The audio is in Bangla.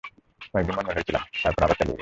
কয়েক দিন মনমরা হয়ে ছিলাম তারপর আবার চালিয়ে গেছি।